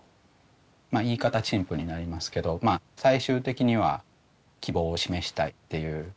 陳腐になりますけど最終的には希望を示したいっていう。